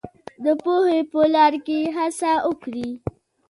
د پوهې په لار کې هڅه وکړئ.